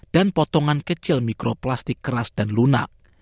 dan potongan kecil mikroplastik keras dan lunak